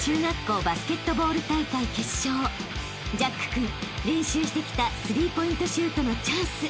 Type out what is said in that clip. ［ジャック君練習してきた３ポイントシュートのチャンス］